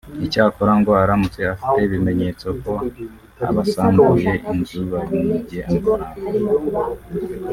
Icyakora ngo aramutse afite ibimenyetso ko abasambuye inzu bamwibye amafaranga